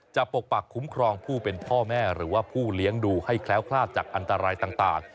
ปกปักคุ้มครองผู้เป็นพ่อแม่หรือว่าผู้เลี้ยงดูให้แคล้วคลาดจากอันตรายต่าง